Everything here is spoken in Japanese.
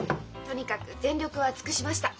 とにかく全力は尽くしました。